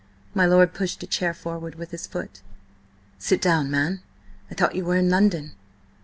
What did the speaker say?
My lord pushed a chair forward with his foot. "Sit down, man! I thought you were in London?"